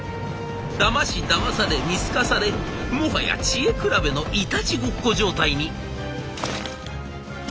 だましだまされ見透かされもはや知恵比べのいたちごっこ状態に。